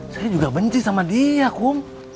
saya juga benci sama dia kum